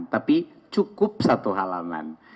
tapi cukup satu halaman